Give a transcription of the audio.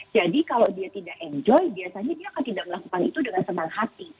jadi kalau dia tidak enjoy biasanya dia akan tidak melakukan itu dengan senang hati